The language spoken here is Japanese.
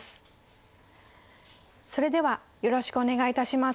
それではよろしくお願いいたします。